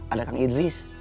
ada kang idris